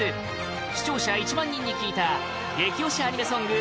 視聴者１万人に聞いた激推しアニメソング